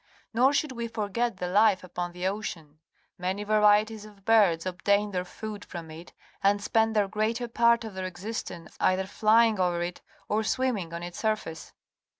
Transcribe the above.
Nor s hould we forget the life upon the ocean. Many varieties of birds obtain their food from it and spend the greater part of their existence either %ing over it or swimming on its surface.